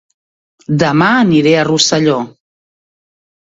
Dema aniré a Rosselló